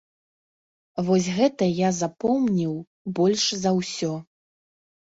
Вось гэта я запомніў больш за ўсё.